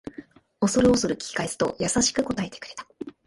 おそるおそる聞き返すと優しく答えてくれた